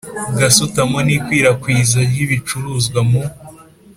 gasutamo n ikwirakwiza ry ibicuruzwa mu